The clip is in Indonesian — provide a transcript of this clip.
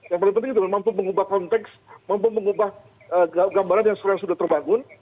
yang paling penting itu mampu mengubah konteks mampu mengubah gambaran yang sekarang sudah terbangun